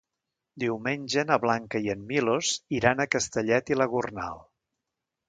Diumenge na Blanca i en Milos iran a Castellet i la Gornal.